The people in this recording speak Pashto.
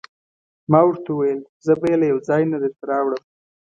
ما ورته وویل: زه به يې له یوه ځای نه درته راوړم.